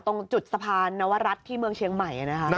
ตรงจุดสะพานนวรัฐที่เมืองเชียงใหม่